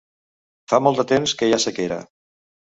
Fa molt de temps que hi ha sequera.